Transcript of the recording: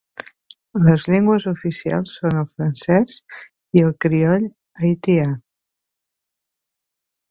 Les llengües oficials són el francès i el crioll haitià.